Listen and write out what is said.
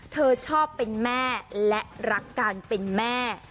เธอชอบเป็นแม่และรักการเป็นแม่